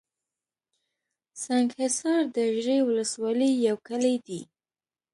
سنګحصار دژړۍ ولسوالۍ يٶ کلى دئ